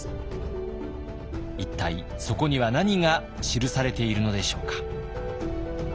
一体そこには何が記されているのでしょうか。